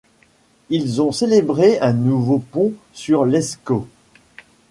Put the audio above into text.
Ils ont célébré un nouveau pont sur l'Escaut.